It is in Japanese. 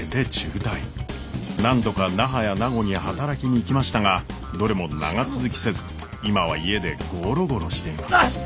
何度か那覇や名護に働きに行きましたがどれも長続きせず今は家でゴロゴロしています。